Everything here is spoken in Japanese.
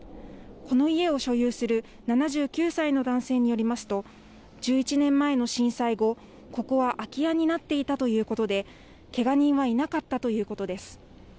この家を所有する７９歳の男性によりますと１１年前の震災後、ここは空き家になっていたということでけが人はいなかったということです。